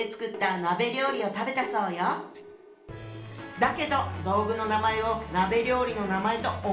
だけど道具の名前を鍋料理の名前と思い込んでしまったの。